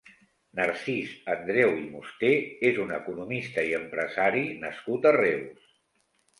Narcís Andreu i Musté és un economista i empresari nascut a Reus.